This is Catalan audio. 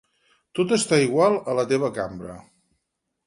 Tot està igual, a la teva cambra.